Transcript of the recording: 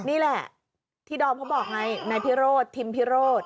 นี่แหละที่ดอมเขาบอกไงนายพิโรธทิมพิโรธ